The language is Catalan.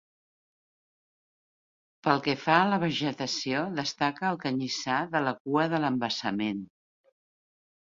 Pel que fa a la vegetació, destaca el canyissar de la cua de l'embassament.